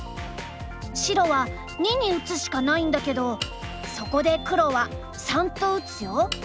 白は②に打つしかないんだけどそこで黒は③と打つよ。